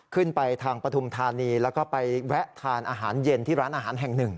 ขึ้นไปทางปฐุมธานีแล้วก็ไปแวะทานอาหารเย็นที่ร้านอาหารแห่งหนึ่ง